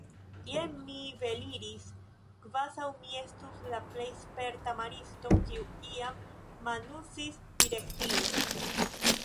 Jen mi veliris kvazaŭ mi estus la plej sperta maristo, kiu iam manuzis direktilon.